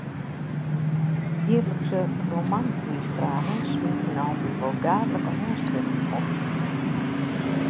Jierlikse romanpriisfragen smieten altyd wol gaadlike hânskriften op.